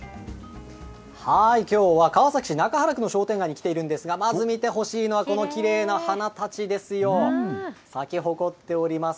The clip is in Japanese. きょうは川崎市中原区の商店街に来ているんですが、まず見てほしいのは、このきれいな花たちですよ。咲き誇っております。